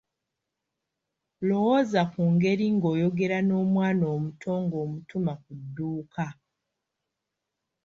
Lowooza ku ngeri ng’oyogera n’omwana omuto ng’omutuma ku dduuka.